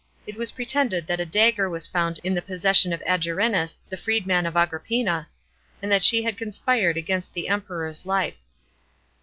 It was pretended that a dagger was found in the possession, of Agerinus, the freedman of Agrippina, and that she had conspired against the Emperor's life.